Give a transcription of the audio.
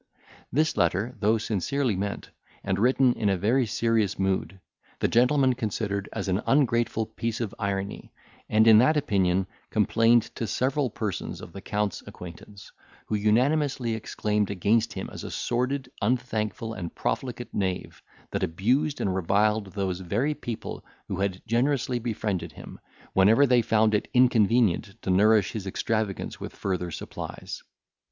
This letter, though sincerely meant, and written in a very serious mood, the gentleman considered as an ungrateful piece of irony, and in that opinion complained to several persons of the Count's acquaintance, who unanimously exclaimed against him as a sordid, unthankful, and profligate knave, that abused and reviled those very people who had generously befriended him, whenever they found it inconvenient to nourish his extravagance with further supplies.